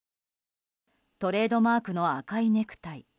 トレードマークの赤いネクタイ。